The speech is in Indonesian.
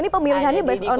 ini pemilihannya based on